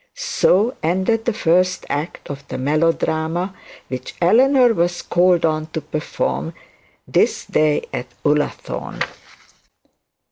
So ended the first act of the melodrama which Eleanor was called on to perform this day at Ullathorne.